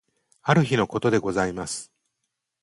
ある日のことでございます。